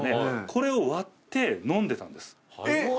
これを割って飲んでたんです。